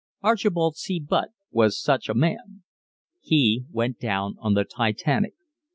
Archibald C. Butt was such a man. He went down on the Titanic.